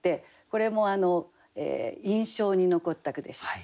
これも印象に残った句でした。